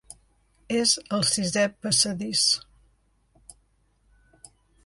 És al sisè passadís.